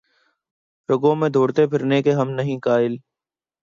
رگوں میں دوڑتے پھرنے کے ہم نہیں قائل